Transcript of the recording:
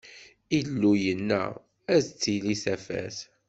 Illu yenna: Ad d-tili tafat!